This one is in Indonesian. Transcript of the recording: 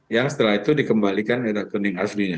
yang setelah itu dikembalikan ke rekening aslinya